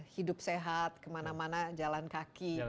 hidup sehat kemana mana jalan kaki